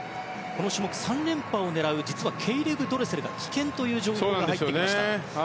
この種目８連覇を狙うドレセルが棄権という情報が入ってきました。